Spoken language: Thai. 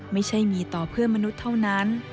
ไม่ใช่มีต่อเพื่อนมนุษย์เท่านั้น